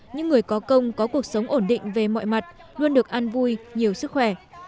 những người có công có cuộc sống ổn định về mọi mặt luôn được an vui nhiều sức khỏe